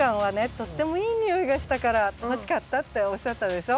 とってもいい匂いがしたから欲しかったっておっしゃったでしょ。